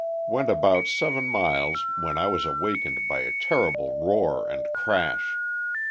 Went about seven miles when I was awakened by a terrible roar and crash.